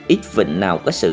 ít vịnh nào có sự